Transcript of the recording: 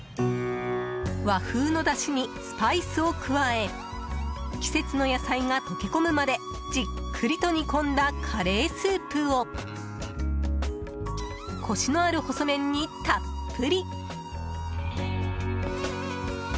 和風のだしにスパイスを加え季節の野菜が溶け込むまでじっくりと煮込んだカレースープをコシのある細麺にたっぷり！